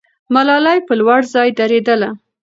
ملالۍ په لوړ ځای درېدله.